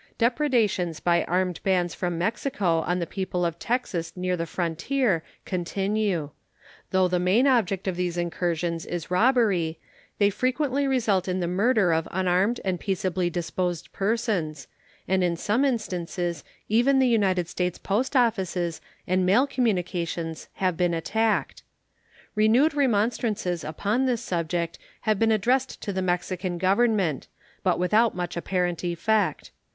Depredations by armed bands from Mexico on the people of Texas near the frontier continue. Though the main object of these incursions is robbery, they frequently result in the murder of unarmed and peaceably disposed persons, and in some instances even the United States post offices and mail communications have been attacked. Renewed remonstrances upon this subject have been addressed to the Mexican Government, but without much apparent effect.